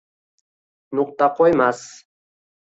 Nuqta qo’ymas